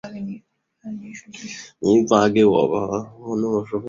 他们在阿根廷联赛扩充后从阿乙升班。